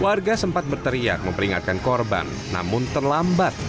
warga sempat berteriak memperingatkan korban namun terlambat